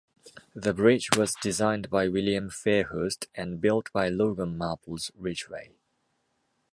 The bridge was designed by William Fairhurst and built by Logan-Marples Ridgway.